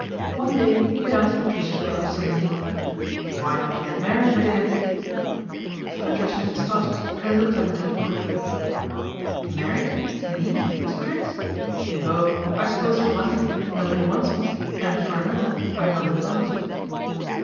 One day he had asked Patricia rather suddenly, 1 Why don't you get married, me dear ?" Patricia had started and looked up at him quickly. " Married, me, Mr. Triggs ? Oh ! I sup pose for one thing nobody wants me, and for another I'm not in love."